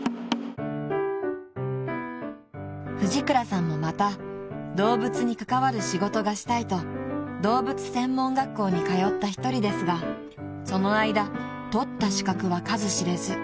［藤倉さんもまた動物に関わる仕事がしたいと動物専門学校に通った一人ですがその間取った資格は数知れず］